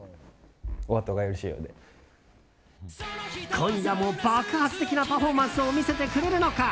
今夜も爆発的なパフォーマンスを見せてくれるのか。